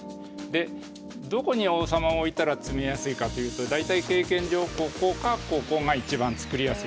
でどこに王様を置いたら詰めやすいかというと大体経験上ここかここが一番作りやすいです。